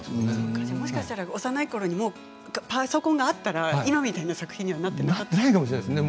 もしかしたら幼いころにパソコンがあったら今のような作品にはなっていないかもしれないですね。